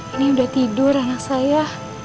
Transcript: ini udah tidur anak saya